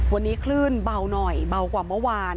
วันนี้คลื่นเบาหน่อยเบากว่าเมื่อวาน